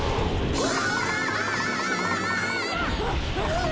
・うわ！